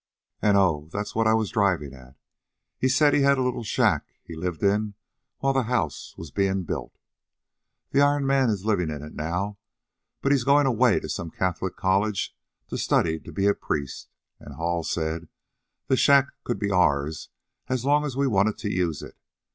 An' Oh! that's what I was drivin' at. He said he had a little shack he lived in while the house was buildin'. The Iron Man's livin' in it now, but he's goin' away to some Catholic college to study to be a priest, an' Hall said the shack'd be ours as long as we wanted to use it.